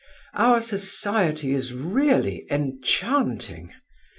Our society is really enchanting.